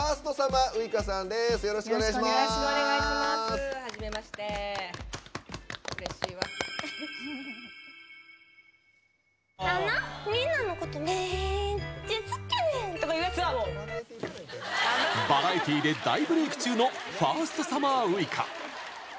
バラエティーで大ブレーク中のファーストサマーウイカ。